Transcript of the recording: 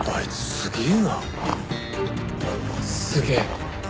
すげえ。